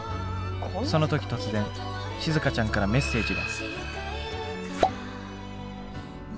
その時突然しずかちゃんからメッセージが。